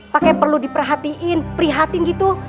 pakai perlu diperhatiin prihatin gitu